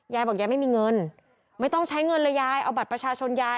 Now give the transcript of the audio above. ยายบอกยายไม่มีเงินไม่ต้องใช้เงินเลยยายเอาบัตรประชาชนยาย